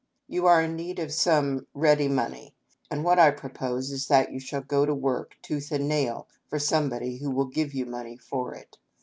" You are in need of some ready money, and what I propose is that you shall go to work ' tooth and nail ' for somebody who will give you money for it.